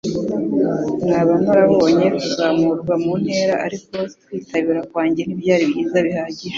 Naba narabonye kuzamurwa mu ntera, ariko kwitabira kwanjye ntibyari byiza bihagije.